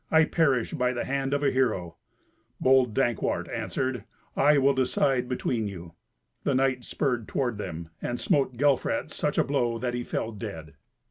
I perish by the hand of a hero." Bold Dankwart answered, "I will decide between you." The knight spurred toward them, and smote Gelfrat such a blow that he fell dead.